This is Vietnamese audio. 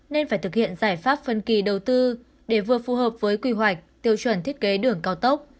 nên phải thực hiện giải pháp phân kỳ đầu tư để vừa phù hợp với quy hoạch tiêu chuẩn thiết kế đường cao tốc